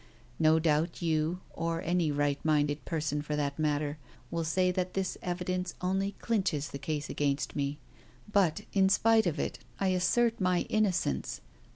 No doubt you, or any right minded person for that matter, will say that this evidence only clinches the case against me. But, in spite of it, I assert my innocence.